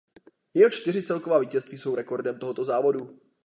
Jeho čtyři celková vítězství jsou rekordem tohoto závodu.